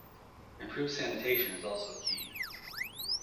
Improved sanitation is also key.